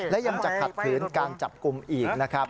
และยังจะขัดขืนการจับกลุ่มอีกนะครับ